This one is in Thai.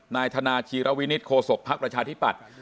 นายธนาชีรวินิศโคศกพักราชาธิปัตย์